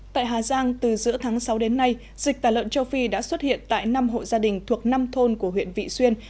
tại hà giang từ giữa tháng sáu đến nay dịch tả lợn châu phi đã xuất hiện tại năm hộ gia đình thuộc năm thôn của huyện vị xuyên